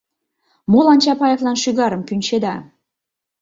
Молан Чапаевлан шӱгарым кӱнчеда?